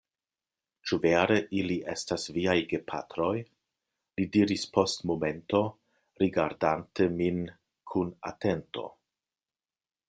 Ĉu vere ili estas viaj gepatroj? li diris post momento, rigardante min kun atento.